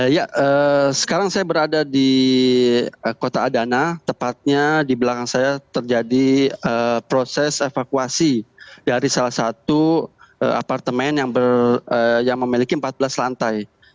ya sekarang saya berada di kota adana tepatnya di belakang saya terjadi proses evakuasi dari salah satu apartemen yang memiliki empat belas lantai